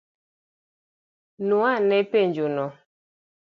Nuo ane penjo no?